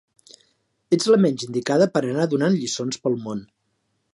Ets la menys indicada per anar donant lliçons pel món.